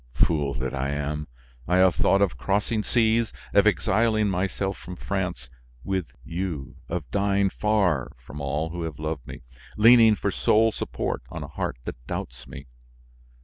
Fool that I am! I have thought of crossing seas, of exiling myself from France with you, of dying far from all who have loved me, leaning for sole support on a heart that doubts me.